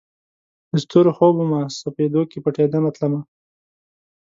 د ستورو خوب ومه، سپیدو کې پټېدمه تلمه